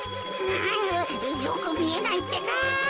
うんよくみえないってか。